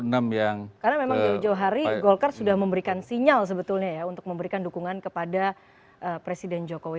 karena memang di ujung hari golkar sudah memberikan sinyal sebetulnya ya untuk memberikan dukungan kepada presiden jokowi